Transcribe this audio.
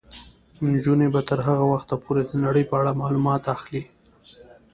نجونې به تر هغه وخته پورې د نړۍ په اړه معلومات اخلي.